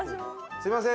すみません。